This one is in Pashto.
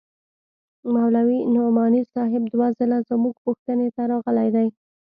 مولوي نعماني صاحب دوه ځله زموږ پوښتنې ته راغلى دى.